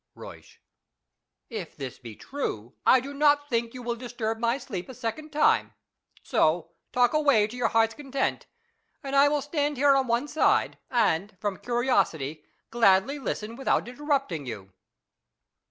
Euysch. If this be true, I do not think you will disturb my sleep a second time. So talk away to your hearts' content, and I will stand here on one side, and, from curiosity, gladly listen without interrupting you.